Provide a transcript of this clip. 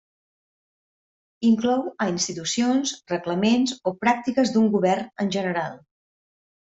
Inclou a institucions, reglaments o pràctiques d'un govern en general.